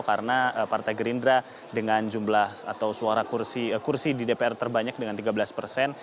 karena partai gerindra dengan jumlah atau suara kursi di dpr terbanyak dengan tiga belas persen